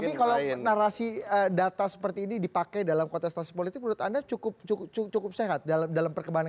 tapi kalau narasi data seperti ini dipakai dalam kontestasi politik menurut anda cukup sehat dalam perkembangan